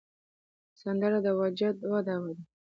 سندره د وجد وده ده